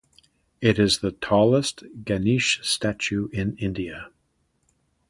It is the tallest Ganesh statue in India.